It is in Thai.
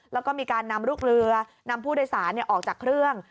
แล้วก็มีการนำลูกเรือนำผู้โดยสารออกจากเครื่อง